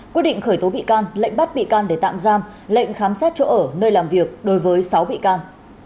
quyết định khởi tố bị can lệnh bắt bị can để tạm giam lệnh khám xét chỗ ở nơi làm việc đối với sáu bị can